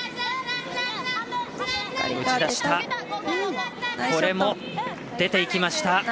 これも出ていきました！